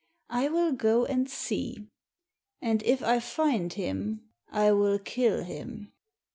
I will go and see. And if I find him I will kill him.